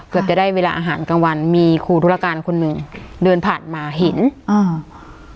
เกือบจะได้เวลาอาหารกลางวันมีครูธุรการคนหนึ่งเดินผ่านมาเห็นอ่า